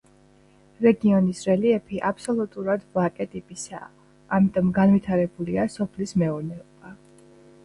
რეგიონის რელიეფი აბსოლუტურად ვაკე ტიპისაა, ამიტომ განვითარებულია სოფლის მეურნეობა.